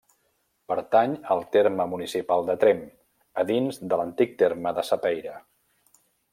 Pertany al terme municipal de Tremp, a dins de l'antic terme de Sapeira.